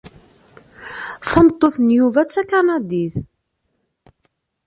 Tameṭṭut n Yuba d takanadit.